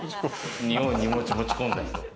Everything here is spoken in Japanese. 日本に持ち込んだ人。